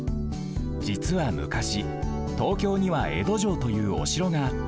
じつはむかし東京には江戸城というおしろがあった。